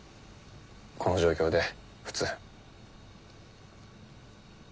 この状況で普通。